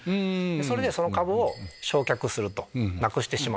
それでその株を償却するなくしてしまう。